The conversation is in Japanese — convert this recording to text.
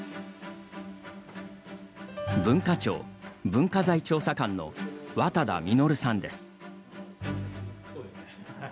文化庁・文化財調査官の綿田稔さんです。